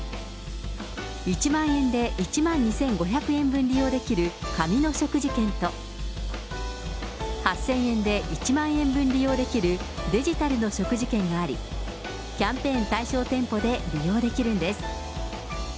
１万円で１万２５００円分利用できる紙の食事券と、８０００円で１万円分利用できるデジタルの食事券があり、キャンペーン対象店舗で利用できるんです。